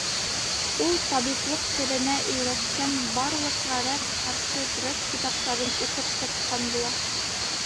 Ул табиплыҡ серенә өйрәткән барлыҡ ғәрәп, фарсы, грек китаптарын уҡып сыҡҡан була.